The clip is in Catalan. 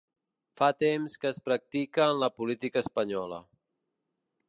Fa temps que es practica en la política espanyola.